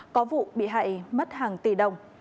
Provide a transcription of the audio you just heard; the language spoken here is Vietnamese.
có vụ bị hại mất hàng tỷ đồng